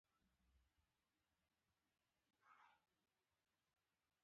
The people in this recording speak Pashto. د ژوند په هر پړاو کې زموږ د انګېزې لامل توپیر لري.